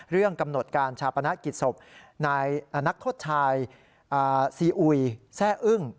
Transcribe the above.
เรื่องกำหนดการชาปณะกิจศพนักทดชายซีอุยแทร่อึ้ง